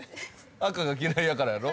赤が嫌いやからやろ？